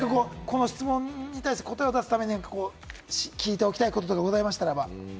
この質問に対して答え出すためには、聞いておきたいこととかありましたら。